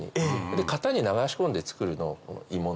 で型に流し込んで作るのがこの鋳物。